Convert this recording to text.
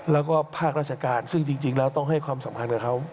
แล้วก็ภาคราชการซึ่งจริงแล้วต้องให้ความสำคัญกับเขา